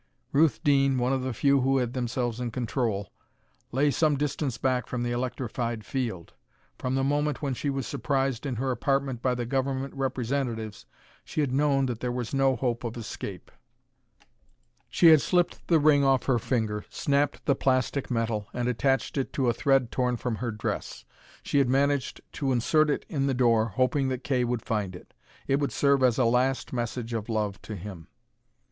Ruth Deane, one of the few who had themselves in control, lay some distance back from the electrified field. From the moment when she was surprised in her apartment by the Government representatives, she had known that there was no hope of escape. She had slipped the ring off her finger, snapped the plastic metal, and attached it to a thread torn from her dress. She had managed to insert it in the door, hoping that Kay would find it. It would serve as a last message of love to him.